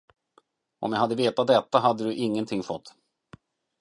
Om jag hade vetat detta, hade du ingenting fått.